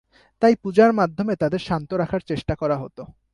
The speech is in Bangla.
তাই পূজার মাধ্যমে তাদের শান্ত রাখার চেষ্টা করা হত।